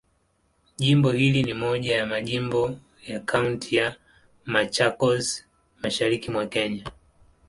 Jimbo hili ni moja ya majimbo ya Kaunti ya Machakos, Mashariki mwa Kenya.